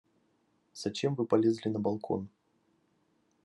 Зачем вы полезли на балкон?